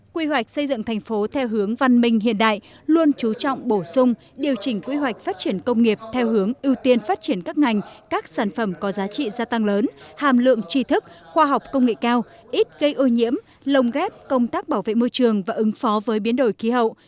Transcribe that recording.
quy hoạch xây dựng thành phố theo hướng văn minh hiện đại luôn chú trọng bổ sung điều chỉnh quy hoạch phát triển công nghiệp theo hướng ưu tiên phát triển các ngành các sản phẩm có giá trị gia tăng lớn hàm lượng tri thức khoa học công nghệ cao ít gây ô nhiễm lồng ghép công tác bảo vệ môi trường và ứng phó với biến đổi khí hậu